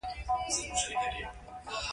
ما نور څه ونه ویل، ځکه ما ته یې ډېر غم راکړ.